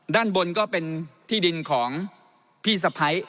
ด้านบนก็เป็นที่ดินของพี่สะพ้าย